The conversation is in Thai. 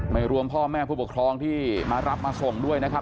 รวมพ่อแม่ผู้ปกครองที่มารับมาส่งด้วยนะครับ